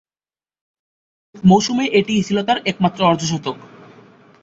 অভিষেক মৌসুমে এটিই ছিল তার একমাত্র অর্ধ-শতক।